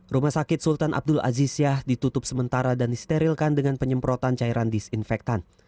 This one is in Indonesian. rumah sakit sultan abdul aziz syah ditutup sementara dan disterilkan dengan penyemprotan cairan disinfektan